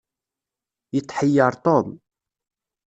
Yetḥeyyeṛ Tom.